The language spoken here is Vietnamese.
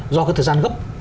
do cái thời gian gấp